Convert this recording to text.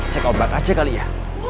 cek ombak aja kali ya